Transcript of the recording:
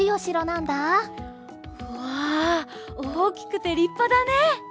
うわおおきくてりっぱだね！